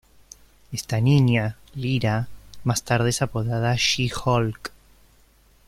Esta niña, Lyra, más tarde es apodada "She-Hulk".